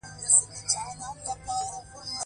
ټول دابد دپاره مړه شوله